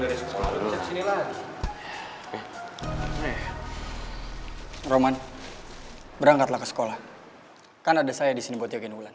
iya pak lo juga belum dari sekolah lo bisa disini lagi ya roman berangkatlah ke sekolah kan ada saya disini buat jagain ulan